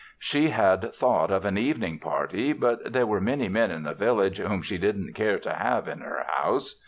She had thought of an evening party, but there were many men in the village whom she didn't care to have in her house.